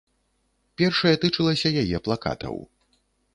Першае тычылася яе плакатаў.